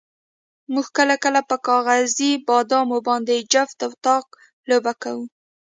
موږ کله کله په کاغذي بادامو باندې جفت او طاق لوبه کوله.